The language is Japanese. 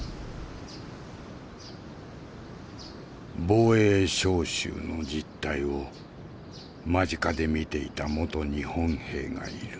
防衛召集の実態を間近で見ていた元日本兵がいる。